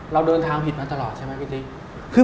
เราเดินทางผิดมาตลอดใช่ไหมพี่ติ๊ก